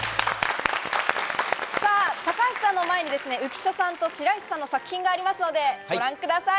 高橋さんの前に浮所さんと白石さんの作品がありますので、ご覧ください。